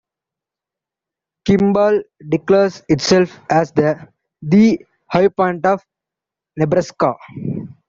Kimball declares itself as the The High Point of Nebraska!